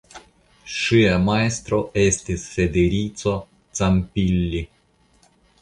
Ŝia majstro estis Federico Campilli.